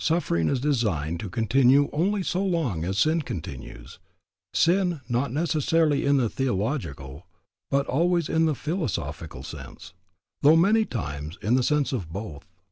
Suffering is designed to continue only so long as sin continues, sin not necessarily in the theological, but always in the philosophical sense, though many times in the sense of both.